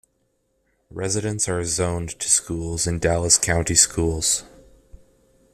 Residents are zoned to schools in Dallas County Schools.